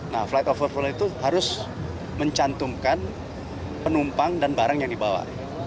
nah flight overful itu harus mencantumkan penumpang dan barang yang dibawa